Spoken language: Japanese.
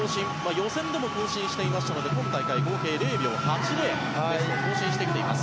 予選でも更新していましたので今大会、合計０秒８０ベストを更新してきています。